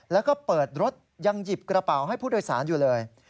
แล้วก็เปิดรถยังหยิบกระเป๋าให้ผู้โดยสารอยู่เลย